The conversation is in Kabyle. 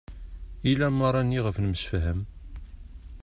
I lamara-ni i ɣef nemsefham?